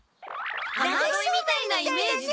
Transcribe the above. あまどいみたいなイメージだ。